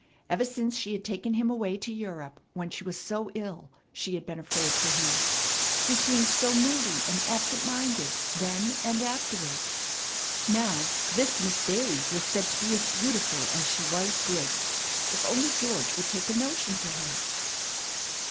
Ever since she had taken him away to Europe, when she was so ill, she had been afraid for him. He seemed so moody and absent minded then and afterwards. Now this Miss Bailey was said to be as beautiful as she was good. If only George would take a notion to her!